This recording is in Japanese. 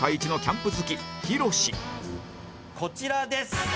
こちらです。